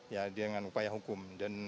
ya dengan upaya hukum